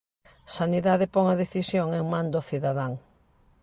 Sanidade pon a decisión en man do cidadán.